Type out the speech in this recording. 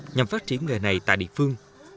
nhằm phát triển nghề này tại địa phương